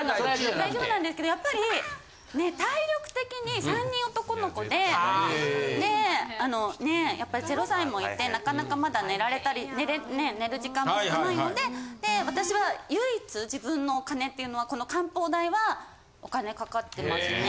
大丈夫なんですけどやっぱり体力的に３人男の子で０歳もいてなかなかまだ寝られたり寝る時間も少ないので私は唯一自分のお金っていうのは漢方代はお金かかってますね。